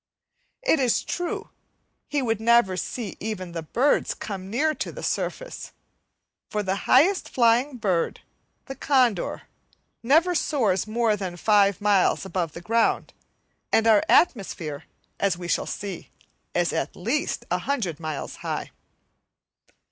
It is true, he would never see even the birds come near to the surface, for the highest flying bird, the condor, never soars more than five miles from the ground, and our atmosphere, as we shall see, is at least 100 miles high.